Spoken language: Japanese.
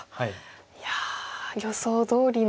いや予想どおりの。